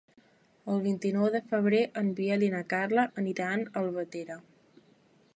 El vint-i-nou de febrer en Biel i na Carla aniran a Albatera.